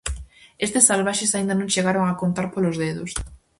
Estes salvaxes aínda non chegaron a contar polos dedos.